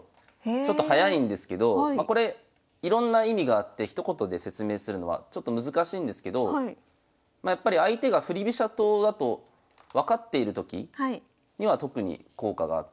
ちょっと早いんですけどこれいろんな意味があってひと言で説明するのはちょっと難しいんですけどやっぱり相手が振り飛車党だと分かっているときには特に効果があって。